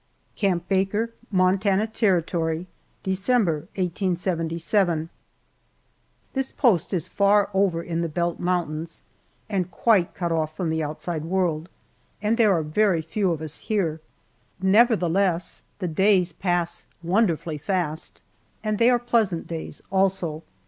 CAMP BAKER, MONTANA TERRITORY, December, 1877. THIS post is far over in the Belt Mountains and quite cut off from the outside world, and there are very few of us here, nevertheless the days pass wonderfully fast, and they are pleasant days, also.